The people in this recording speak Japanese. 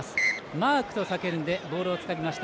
「マーク」と叫んでボールをつかみました。